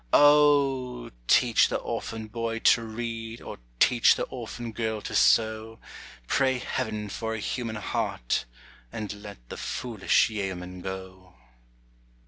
Oh! teach the orphan boy to read, Or teach the orphan girl to sew, Pray Heaven for a human heart, And let the foolish yeoman go.